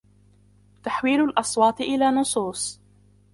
تحويل الأصوات الى نصوص